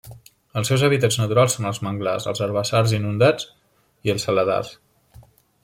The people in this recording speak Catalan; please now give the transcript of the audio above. Els seus hàbitats naturals són els manglars, els herbassars inundats i els saladars.